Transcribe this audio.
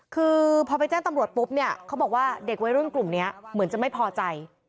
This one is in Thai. คือพอไปแจ้งตำรวจปุ๊บเนี่ยเขาบอกว่าเด็กวัยรุ่นกลุ่มนี้เหมือนจะไม่พอใจ